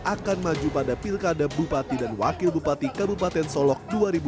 akan maju pada pilkada bupati dan wakil bupati kabupaten solok dua ribu dua puluh